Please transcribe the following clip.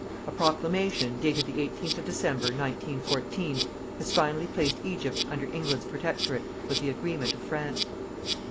A proclamation, dated the 18th of December, 1914, has finally placed Egypt under England's protectorate with the agreement of France.